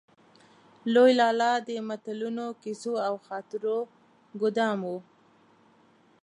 لوی لالا د متلونو، کيسو او خاطرو ګودام و.